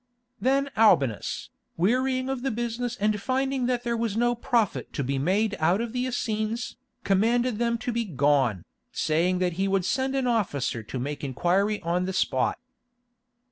Then Albinus, wearying of the business and finding that there was no profit to be made out of the Essenes, commanded them to be gone, saying that he would send an officer to make inquiry on the spot.